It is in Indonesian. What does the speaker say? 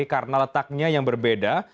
karena letaknya yang berbeda